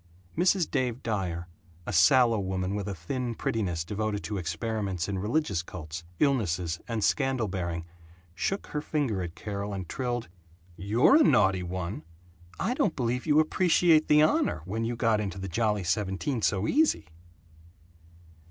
Mrs. Dave Dyer, a sallow woman with a thin prettiness devoted to experiments in religious cults, illnesses, and scandal bearing, shook her finger at Carol and trilled, "You're a naughty one! I don't believe you appreciate the honor, when you got into the Jolly Seventeen so easy!"